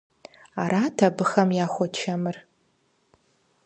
Арат абыхэм яхуэчэмыр.